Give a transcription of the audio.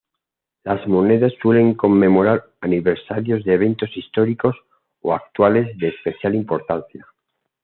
Las monedas suelen conmemorar aniversarios de eventos históricos o actuales de especial importancia.